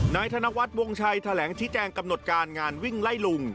ธนวัฒน์วงชัยแถลงชี้แจงกำหนดการงานวิ่งไล่ลุง